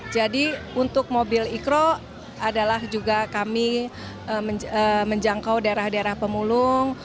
jadi untuk mobil ikro adalah juga kami menjangkau daerah daerah pemulung